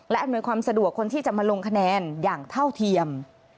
และอำนวยความสะดวกคนที่จะมาลงคะแนนอย่างเท่าเทียม